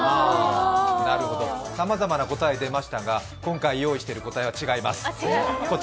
さまざまな答えが出ましたが、今回用意している答えは違います。